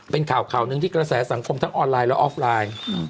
เป็นข่าวข่าวหนึ่งที่กระแสสังคมทั้งออนไลน์และออฟไลน์